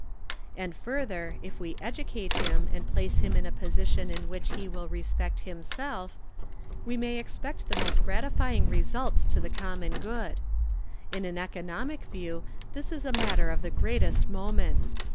And further, if we educate him and place him in a po sition in which he will respect himself, we may expect the most gratifying results to the common good. In an economic view this is a matter of the greatest moment.